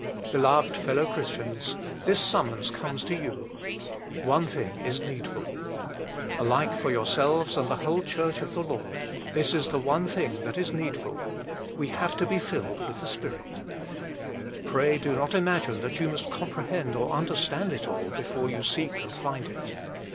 Beloved fellow Christians, this summons comes to you. " One thing is needful." Alike for 1 Acts i. 15, 3 34 THE FULL BLESSING OF PENTECOST yourselves and the whole Church of the Lord, this is the one thing that is needful : we have to be filled with the Spirit. Pray do not imagine that you must comprehend or under stand it all before you seek and find it.